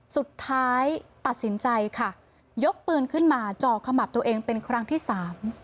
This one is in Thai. สุดท้ายตัดสินใจค่ะยกปืนขึ้นมาจ่อขมับตัวเองเป็นครั้งที่สาม